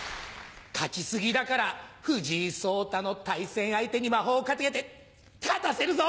勝ち過ぎだから藤井聡太の対戦相手に魔法かけて勝たせるぞ！